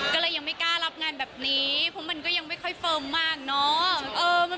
ก็เลยยังไม่กล้ารับงานแบบนี้เพราะมันก็ยังไม่ค่อยเฟิร์มมากเนาะ